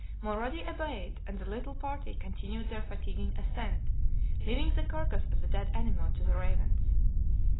Mulrady obeyed, and the little party continued their fatiguing ascent, leaving the carcass of the dead animal to the ravens.